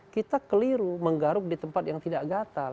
kita keliru menggaruk di tempat yang tidak gatal